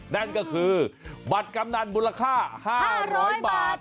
นั่นก็คือบัตรกำนันมูลค่า๕๐๐บาท